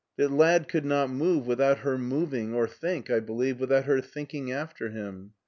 The lad could not move without her moving or think, I believe, without her thinking after him."